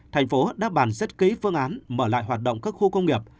tp hcm đã bàn sất ký phương án mở lại hoạt động các khu công nghiệp